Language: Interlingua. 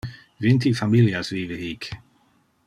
Vinti familias vive hic.